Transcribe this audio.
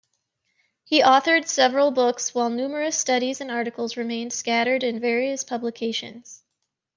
He authored several books, while numerous studies and articles remained scattered in various publications.